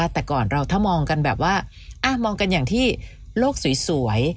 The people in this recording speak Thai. แต่ก่อนเราถ้ามองกันแบบว่ามองกันอย่างที่โลกสวย